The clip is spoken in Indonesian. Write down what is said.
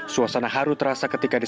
suasana haru terasa ketika di